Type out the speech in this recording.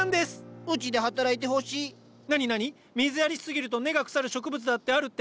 水やりしすぎると根が腐る植物だってあるって？